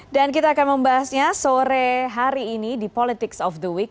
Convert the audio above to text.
dan kita akan membahasnya sore hari ini di politics of the week